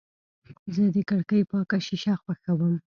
زه د کړکۍ پاکه شیشه خوښوم.